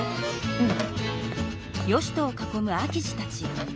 うん。